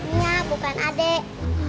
iya bukan adek